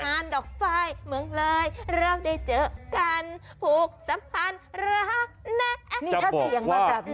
งานดอกไฟล์เมืองเลยเริ่มได้เจอกันผูกสัมพันธ์รักแนะ